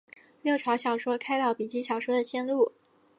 六朝小说开导笔记小说的先路。